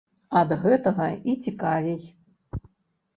Ад гэтага і цікавей!